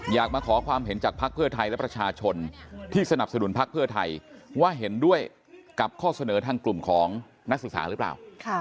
อยากมาขอความเห็นจากภักดิ์เพื่อไทยและประชาชนที่สนับสนุนพักเพื่อไทยว่าเห็นด้วยกับข้อเสนอทางกลุ่มของนักศึกษาหรือเปล่า